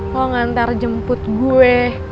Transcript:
lo ngantar jemput gue